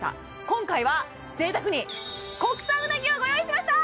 今回は贅沢に国産うなぎをご用意しました！